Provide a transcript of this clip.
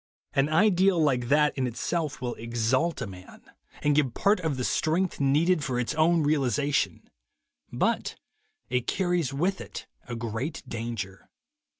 An ideal like that in itself will exalt a man, and THE WAY TO WILL POWER 137 give part of the strength needed for its own realization. But it carries with it a great danger.